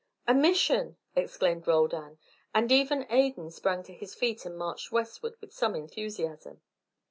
"A Mission!" exclaimed Roldan, and even Adan sprang to his feet and marched westward with some enthusiasm.